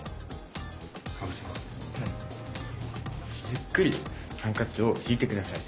ゆっくりハンカチを引いて下さい。